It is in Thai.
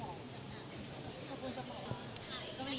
ขอบคุณครับ